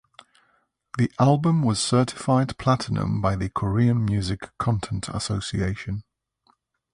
The album was certified platinum by the Korean Music Content Association.